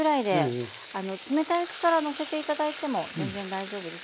冷たいうちからのせて頂いても全然大丈夫です。